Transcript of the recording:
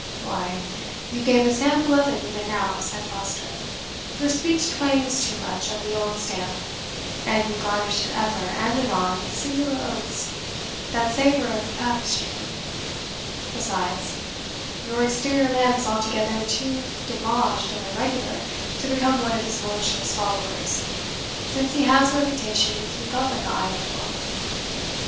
"Why, you gave a sample of it even now," said Foster. "Your speech twangs too much of the old stamp, and you garnish it ever and anon with singular oaths, that savour of Papistrie. Besides, your exterior man is altogether too deboshed and irregular to become one of his lordship's followers, since he has a reputation to keep up in the eye of the world.